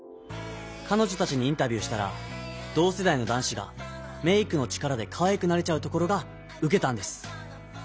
かのじょたちにインタビューしたら同世代の男子がメイクのチカラでかわいくなれちゃうところが受けたんです。